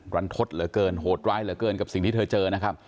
รันทดเหลือเกินโหดร้ายเหลือเกินกับสิ่งที่เธอเจอนะครับ